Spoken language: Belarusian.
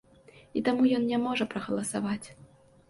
І таму ён не можа прагаласаваць.